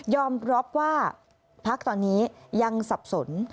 รับว่าพักตอนนี้ยังสับสน